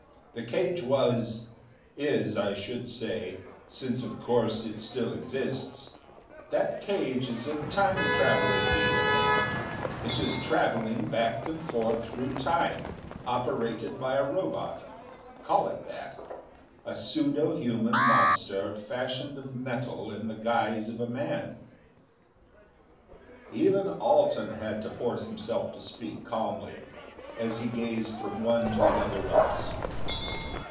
The cage was is, I should say, since of course it still exists that cage is a Time traveling vehicle. It is traveling back and forth through Time, operated by a Robot. Call it that. A pseudo human monster fashioned of metal in the guise of a man." Even Alten had to force himself to speak calmly, as he gazed from one to the other of us.